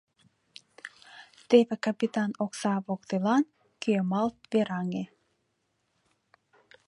Теве капитан омса воктелан кӱэмалт вераҥе.